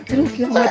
aduh kiamat lagi